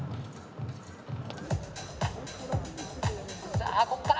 さあここから。